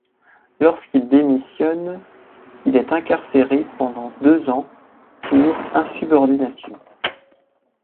Lorsqu'il démissionne, il est incarcéré pendant deux ans pour insubordination.